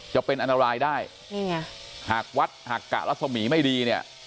จะเป็นอันตรายได้นี่ไงหากวัดหากกะรัศมีร์ไม่ดีเนี่ย